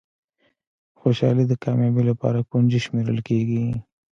خوشالي د کامیابۍ لپاره کونجي شمېرل کېږي.